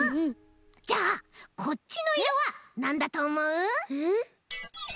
じゃあこっちのいろはなんだとおもう？